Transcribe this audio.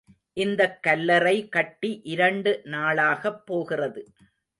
இந்தக் கல்லறை கட்டி இரண்டு நாளாகப் போகிறது.